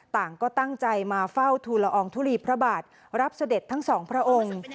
ต่างก็ตั้งใจมาเฝ้าทุลอองทุลีพระบาทรับเสด็จทั้งสองพระองค์